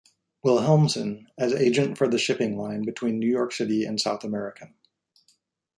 Wilhelmsen as agent for the shipping line between New York City and South America.